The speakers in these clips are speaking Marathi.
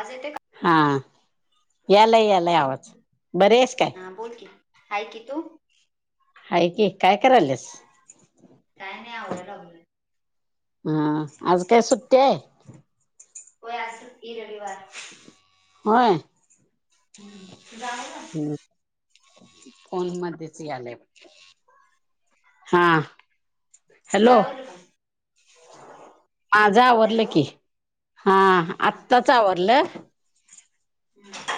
आज येते का हा याला याला आवाज बरे आहेस काय हा बोल की हाय की तू आहेा की काय करायलस काही नाही आवडयलाग हा आज काय सुट्टी आहे हो आज ह रविवार होय हम्म जा फोन मध्येच आलंय हा तुझा हॅलो आवाज यायलय काय माझं आवडलं की हा हा. आत्ताच आवडलं हम्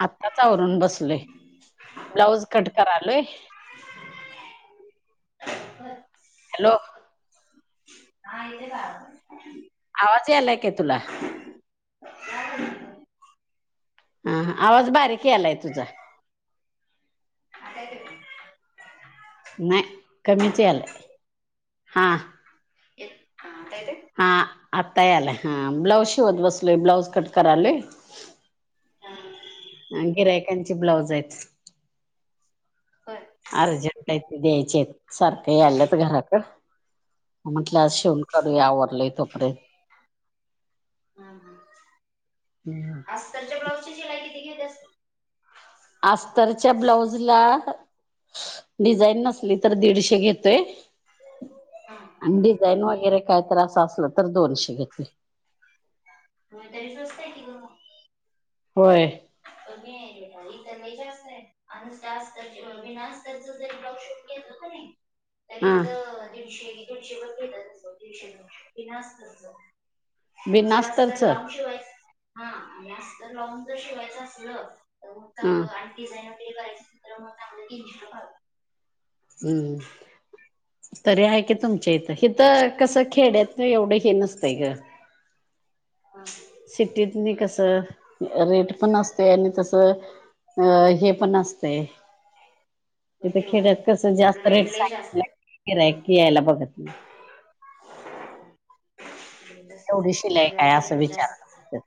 आत्ताच आवरून बसलोय ब्लाउज कट करालोय ब [inaudible] हॅलो हा इ का आवाज यायलायक आहे तुला या बोल. हा आवाज बारीक आलाय तुझा ह कायतेते नाही कमीच याला हा हता हा आत्तायले हां ब्लौज शि ओत बसली ब्लौज कट करली ह गिरायकांची ब्लाऊज आहेत होय. अर्जंट आहे ते द्यायचे सारखं यालाच घराक म्हटलं आ हा शिवून करढूया आवरलंय तोपर्यंत हम हम्म ह असजतच्या ब्लाऊजची शिलाई किती घेतेत असते अस्तरच्या ब्लाऊजला डिझाईन नसली तर दीडशे घेतोय हा. आणि डिझाईन वगैरे काय तर असं असलं तर दोनशे घेत हो तरी सुवस्तय की ग होय अघे भााई तर लय जास अनुत बनास्तरच ज ब्लॉगशॉप घेत का नाही तरी हा तर दिडशे दडशे वर दिडशेन असतच आणि जरा अस बिनास्तरच तर लावून हा शिवायच हा आणि तर लॉंग जर शिवायचं असलं तर मग चांगलं आणि डिझान वगैरेराय अस तर मगग तीनण कळ हम् तरी आहे कि तुमच्या इथं हथ कसं खेड्यात एवढं हे नसतंय ग हम सिटीतनी कसं रेट पण असते आणि तसं अ हे पण असते ह तिथं खेड्यात कस जास्त रेट लय जास्त आहे सांगय क यायला बघत नाही एवढी शिलाई काय सगळ्यांचा असं रेट जास्त विचारतात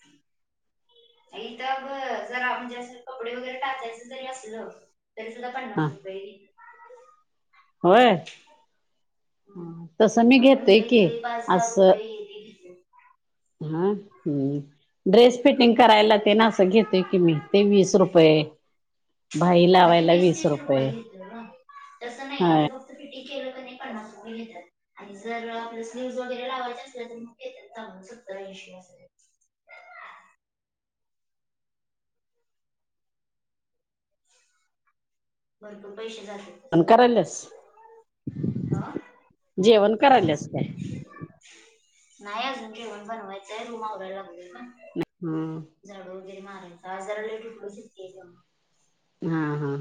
हाय. थ ब जरा [inaudible] म्हजे अस कपडे वगैरे टाकायचे तरी असलं तरी सुद्धा हा पन्नास रुपये घेतात. होय हम्म. तस मी आपण घेतय मुलं की इथले पाच दहा असं. रुपये ते [unintelligible] हा हम्म. ड्रेस फिटिंग करायला घेतो ते ना असं घेतोय की मी ते वीस रुपये. मग ते वीस तीस रुपये घेतोना तसं नाही इथ हा रो फिटिंग केलं का नाही पन्नास रुपये घेतात. आणि जर स्लीव्हज न्यूज वगैरे लावायचे असल तर मग त्यांचा सत्तार ऐशी अस. भरपूर पैसे जात्यात. अन कराल्यास अ जेवण आल्यास काय. नाय अजून जेवण करायचंय रूम आवरा लागले ग. हम् [inaudible] झाडं वगैरे मारायचा जरा लेट उठलोय सुट्टी आहे त्यामुळे. हा हा.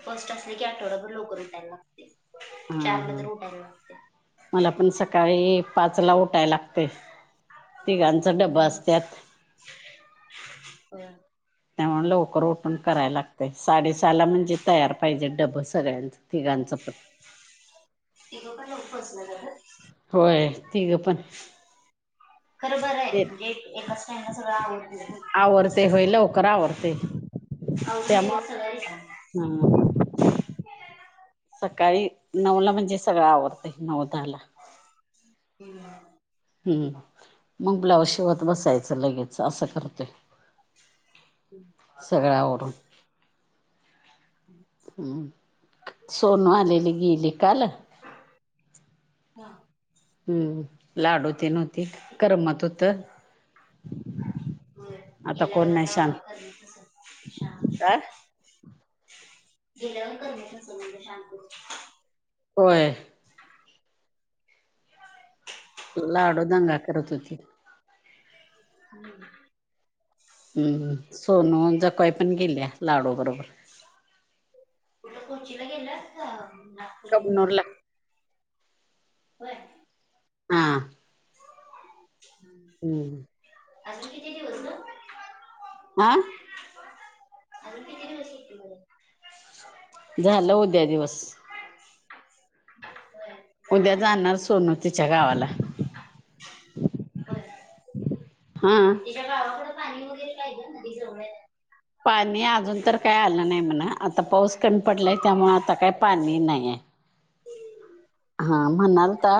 फर्स्ट असल्या की आठवडाभर लवकर लागतंय. हा चारला हा तर उठायला लागतंय. मला पण सकाळी पाच ला उठाय लागतेय. तिघांचा डबा हम्म असत्यात. होय. त्यामुळे लवकर उठून करायला लागतेय साडेसहाला म्हणजे तयार पाहिजे डब सगळ्यांच. तिघांचं पण. तगं पण लऊ बचलं [inaudible] होय तीग पण. खरो बर [inaudible] आहे ते म्हणजे एकाच टईमला सगळं आवरते आवडतस्ट होय लवकर आवरते अ मसाला [inaudible] हा. सकाळी नऊला म्हणजे सगळं आवरतय न‌ऊ दहाला. [inaudible] हम्म मग ब्लाऊज शिवत बसायचं लगेच असं करतोय. हं सगळ आवरुन. हम्म सोनू आलेली गेली काल. हा. हम्म लाडू तेन होती करमत होत. होय आता गेल्यावर कोण नाही आता शांत तशीच दिसल शांत. गेल्यावर करमत नसल म्हणजे शांत होतंय. होय. लाडू दंगा करत होती. हम्म. हम्म सोनू जखु आई पण गेल्या लाडू बरोबर. कुट कोरची ला गेलंस का रूम ला. कबनुर ला. होय. हा. हम्म अजून किती दिवस ग. आ अजून किती दिवस [inaudible] झालं उद्या दिवस. होय उद्या जाणार सोनू तिच्या गावाला [unintelligible] हा तुझ्या गावाकडे पाणी वगैरे काय ग नदी जवळं आहे काय पाणी अजून तर काय आलं नाही म्हणा आता पाऊस कमी पडलाय त्यामुळे आता काय पाणी नाही आहे ह् हा म्हणालता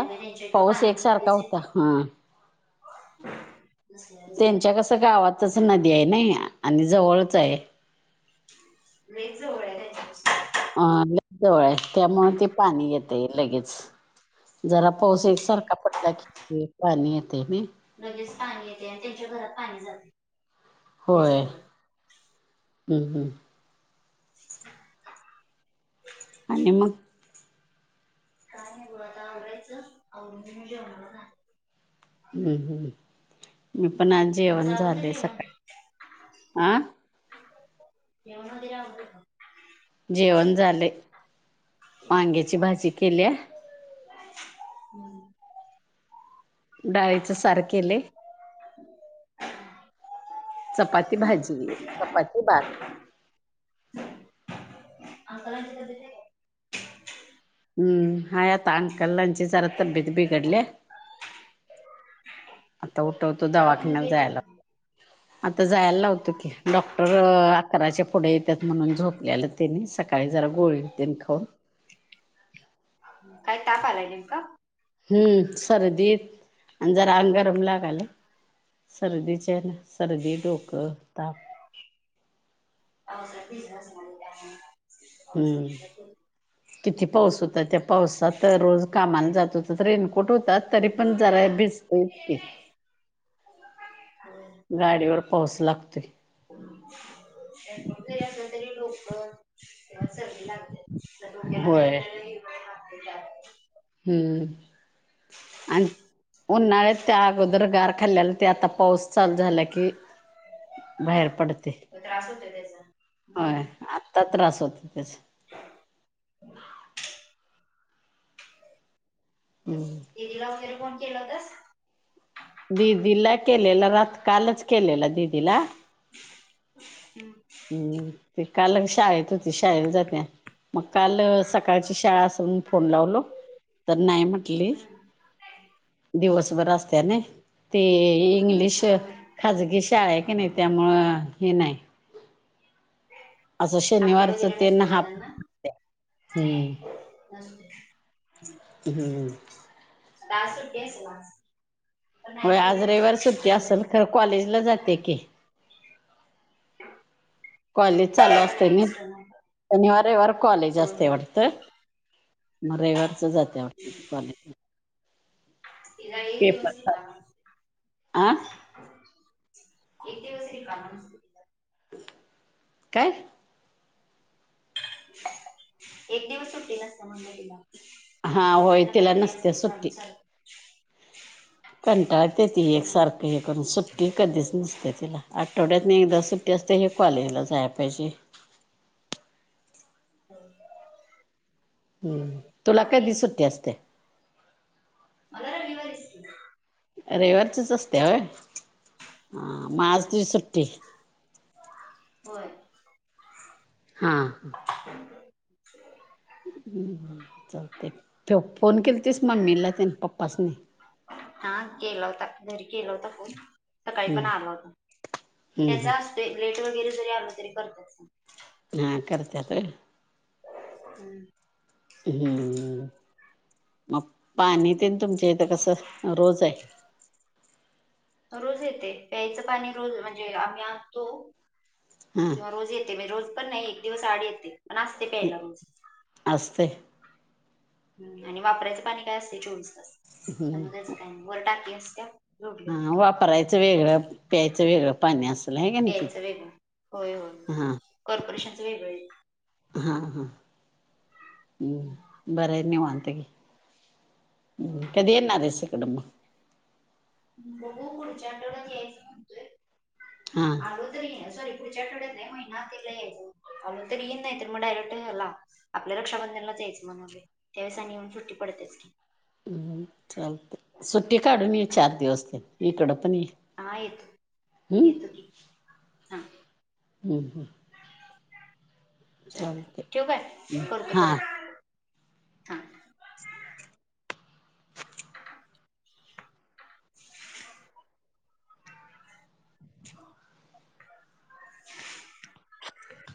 पाऊस पाणी एकसारखा लगेच होता येते. हा नसल्यावरच बरं. त्यांच्या कस गावातच नदी आहे ना आणि जवळच आहे लई च जवळ आहे अंग जवळ आहे त्यामुळं ते पाणी येतय लगेच जरा पाऊस तेच की. एकसारखा पडला की पाणी येते ना लगेच पाणी येते आणि त्यांच्या घरात पाणी जाते लय होय जवळ हम हम [unintelligible] आणि मग काय नाही बघ आता आवरायचं आवरुन जेवणार आता हम्म हम्म मी पण आ तुमचं जेवण आवरलं झाले जेवण? सकाळी हं [unintelligible] जेवण झाले वांग्याची भाजी केल्या [unintelligible] डाळीचं सार केले चपाती भाजी, चपाती भात अंकलांची तब्येत आहे काय हा यात अंकल यांचे तब्येत जरा बिघडल्या आता उठवतो दवाखान्यात गेले जायला होते म्हणे. आता जायला लावतो की डॉक्टर अकराच्या पुढे येतात म्हणून झोपलेलं त्यानी सकाळी जरा गोळीे तेन खाऊन काय ताप आलाय नेमका हम्म सर्दीत आणि जरा अंगगरम लागायल- सर्दीचे सर्दी, डोकं, ताप- अ [unintelligible] कितीे पाऊस होता त्या- पावसात तर रोज कामाला जात होत रेनकोट होतात तरी पण जरा भिजतय- ह... गाडीवर पाऊस लागतोय- जरी असलं तरी डोकं किवा सर्दी लागते. सगळ केला तरी होय आपल्याला हिंडायला लागतये बाहेर - ह आणि... उन्हाळ्यात त्या अगोदर गार खाल्ल्याला ते आता पाऊस चालू झाला की- बाहेर पडते... त्रास होतोय- हम्म... फार त्रास होतो त्याचा- [unintelligible] हम्म.... दीदींला वगैरे फोन केलं होतास? दिदीला केलेला रात कालच केलेला दिदीला- हम्... हम्म ते काल शाळेत होती शाळेेत जाते- मग काल सकाळची शाळा असून फोन लावल तर नाही म्हंटलं- हम्म. दिवसभर असत नई ते- इंग्लिश हम्म. खाजगी शाळा आहे की नाही त्यामुळं हे नाही. असं अपडे शनिवारच वगैरे त्यांना नसतोय का हाफ त्यांना? हम्म. ह्म्म, हम्म मग आज सुट्टी असल आज? पण हो नाही केलं आज रविवार सुट्टी आज असल केलं. तर कॉलेजला जाते की कॉलेज हम्म. पण चालू असते आहे नाई एक्स्टर्नल शनिवार, रविवार कॉलेज होय असते होय. वाटते. मग रविवारचं जाते कॉलेज वर् इला एक दिवस रिकामा आ नसतोये. एक दिवस रिकामा नसतोये. काय? एक दिवस सुट्टी नसते म्हणलं तिला हा होय काही ना तिला काही तरी नसते असते चालूच आमच. कंटाळत असेल ती सारखी कारण सुट्टी कधीच नसते तिला आठवड्यात न एकदा सुट्टी असते हे कॉलेज ला जायला पाहिजे. होय. हम्म तुला कधी सुट्टी असते? मला रविवारीच असते. रविवारचीच असते मग होय असते सुट्टी होय. हां हां. [unintelligible] चलतेय तेव्हा फोन केलंतेस मम्मीला त्यांनी पप्पासनी- हा केला होता घरी केला होता फोन सकाळी हम्म पण आला होता हम्म त्याचा ते लेट वगैरे जरी आले तरी करत असतात. हा करतायेत. हम्म.. हम.. मग पाणी न ते तुमच्या इथं कसं रोज आहे- रोज येते प्यायचं पाणी रोज म्हणजे आम्ही आणतो. हा किंवा रोज येते म्हणजे रोज पण नाही एक दिवस आड येते पण असते प्यायला रोज असस्ते. हम् आणि वापरायचं पाणी काय असते चोवीस तास हम्म त्यामुळे त्याचं काय वर टाकी असत्या. जोडलेली हा वापरायचं वेगळं प्यायचं वेगळं पाणी असल आहे का ना तिथं. प्यायचं वेगळं. होय होय हा कॉर्पोरेशनच वेगळ. हा हा हम्म बरय नव अंतगी कधी येणारेस इकडं. बहु पुढच्या आठवड्यात यायच हा म्हणतोयून सॉरी इ सेटो देव ना तलायणं तियून दय तुही डयरक्टला आपल्या रक्षाबंधनला जायचं म्हणो त्यावेळेस आणि येऊन सुट्टी पडतेच की हम्म चालते सुट्टी काढून ये चार दिवस इकडं पण ये. हा येत हम्म येतो की हा. हो ह. चल चालते ठेवू काय करतो हां परत हा. असला आवाज आला कळत नाही. आवाज नाही येत.